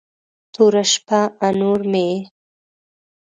توره شپه، انور مې یې